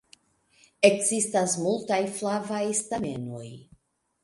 Ekzistas multaj flavaj stamenoj.